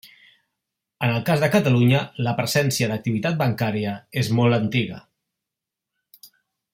En el cas de Catalunya, la presència d'activitat bancària és molt antiga.